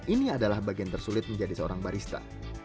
ini adalah bagian tersulit menjadi seorang barista